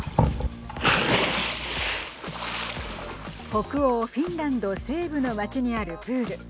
北欧フィンランド西部の町にあるプール。